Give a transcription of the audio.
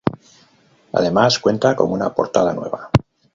Además cuenta con una portada nueva.